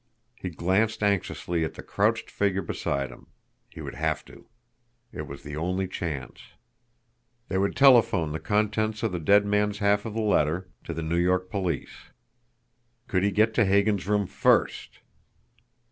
He glanced anxiously at the crouched figure beside him. He would have to! It was the only chance. They would telephone the contents of the dead man's half of the letter to the New York police. Could he get to Hagan's room FIRST!